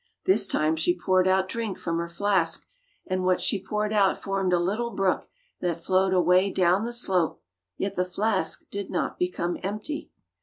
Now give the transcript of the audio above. This time she poured out drink from her flask, and what she poured out formed a little brook that flowed away down the slope, yet the flask did not become empty.